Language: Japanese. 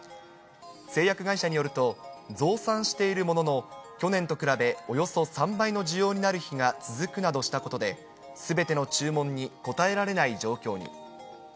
製薬会社によると、増産しているものの、去年と比べ、およそ３倍の需要になる日が続くなどしたことで、すべての注文に応えられない状況に。